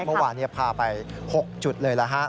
เมื่อวานพาไป๖จุดเลยฮะ